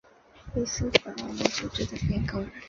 里斯本澳门联络处名称及组织的变更。